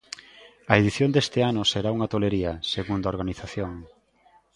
A edición deste ano será unha tolería, segundo a organización.